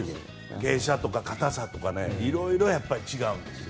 傾斜とか、硬さとかいろいろ違うんですよ。